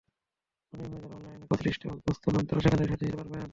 প্রাথমিকভাবে যাঁরা অনলাইন কজলিস্টে অভ্যস্ত নন, তাঁরা সেখান থেকে সাহায্য নিতে পারবেন।